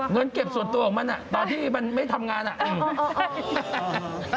เงินเก็บส่วนตัวของมันตอนที่มันไม่ทำงานอ่ะ